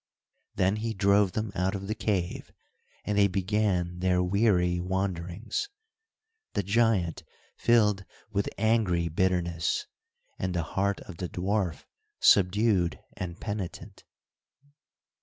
Then he drove them out of the cave, and they began their weary wanderings. The giant filled with angry bitterness, and the heart of the dwarf subdued and penitent.